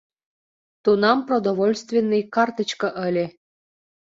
Тунам продовольственный картычке ыле.